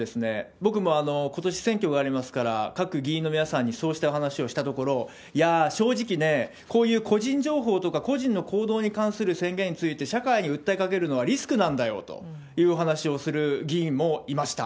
僕もことし選挙がありますから、各議員の皆さんにそうした話をしたところ、いやー、正直ね、こういう個人情報とか個人の行動に関する宣言について、社会に訴えかけるのはリスクなんだよとお話をする議員もいました。